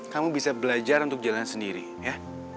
kamu bisa belajar untuk jalan sendiri ya